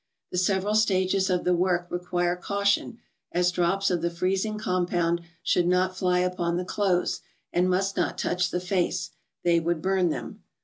The several stages of the work require cau¬ tion, as drops of the freezing compound should not fly upon the clothes, and must not touch the face : they would burn them.